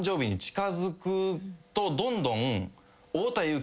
どんどん。